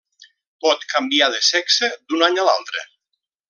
Pot canviar de sexe d'un any a l'altre.